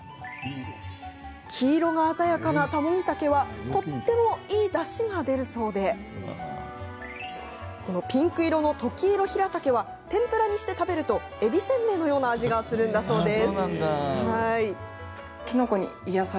黄色が鮮やかなタモギタケはとってもいいだしが出るそうでピンク色のトキイロヒラタケは天ぷらにして食べるとえびせんべいのような味がするんだそうです。